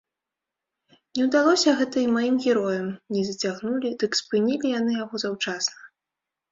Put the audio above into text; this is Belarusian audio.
Не ўдалося гэта і маім героям не зацягнулі, дык спынілі яны яго заўчасна.